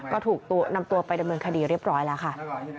ก็ถูกนำตัวไปดำเนินคดีเรียบร้อยแล้วค่ะ